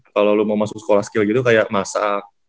kalau lo mau masuk sekolah skill gitu kayak masak